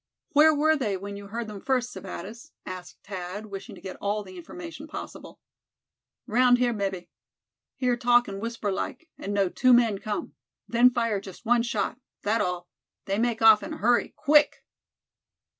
"Where were they when you heard them first, Sebattis?" asked Thad, wishing to get all the information possible. "Round here, mebbe. Hear talk in whisper like, and know two men come. Then fire just one shot. That all. They make off in hurry, quick!"